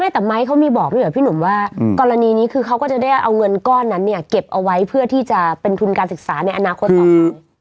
แต่ไม้เขามีบอกด้วยเหรอพี่หนุ่มว่ากรณีนี้คือเขาก็จะได้เอาเงินก้อนนั้นเนี่ยเก็บเอาไว้เพื่อที่จะเป็นทุนการศึกษาในอนาคตต่อไป